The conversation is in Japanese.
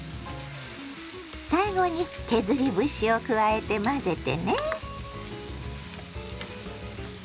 最後に削り節を加えて混ぜてね。